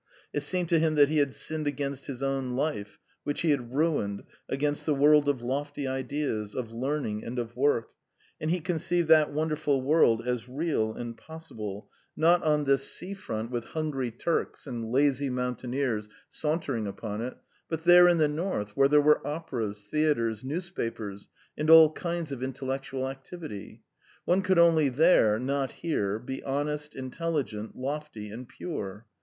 It seemed to him that he had sinned against his own life, which he had ruined, against the world of lofty ideas, of learning, and of work, and he conceived that wonderful world as real and possible, not on this sea front with hungry Turks and lazy mountaineers sauntering upon it, but there in the North, where there were operas, theatres, newspapers, and all kinds of intellectual activity. One could only there not here be honest, intelligent, lofty, and pure.